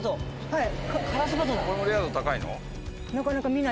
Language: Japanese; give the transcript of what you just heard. はい。